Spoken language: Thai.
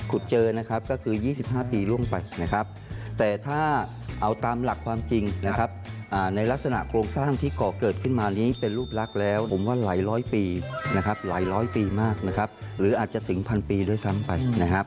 เจอนะครับก็คือ๒๕ปีล่วงไปนะครับแต่ถ้าเอาตามหลักความจริงนะครับในลักษณะโครงสร้างที่ก่อเกิดขึ้นมานี้เป็นรูปลักษณ์แล้วผมว่าหลายร้อยปีนะครับหลายร้อยปีมากนะครับหรืออาจจะสิงพันปีด้วยซ้ำไปนะครับ